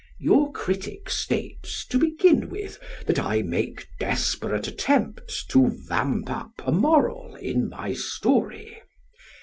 Your critic states, to begin with, that I make desperate attempts to "vamp up" a moral in my story.